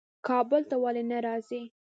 کابل ته ولي نه راځې؟